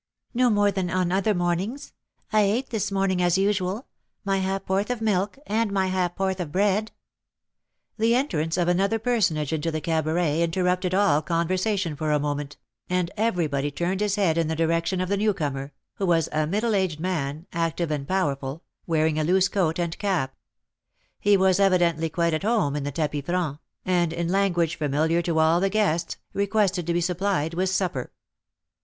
"No more than on other mornings. I ate this morning, as usual, my ha'porth of milk, and my ha'porth of bread." The entrance of another personage into the cabaret interrupted all conversation for a moment, and everybody turned his head in the direction of the newcomer, who was a middle aged man, active and powerful, wearing a loose coat and cap. He was evidently quite at home in the tapis franc, and, in language familiar to all the guests, requested to be supplied with supper.